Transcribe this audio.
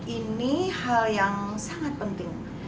ini hal yang sangat penting